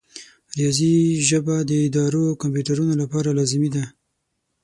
د ریاضي ژبه د ادارو او کمپیوټرونو لپاره لازمي ده.